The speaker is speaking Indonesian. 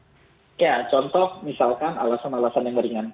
ya contoh misalkan alasan alasan yang beringat ya contoh misalkan alasan alasan yang beringat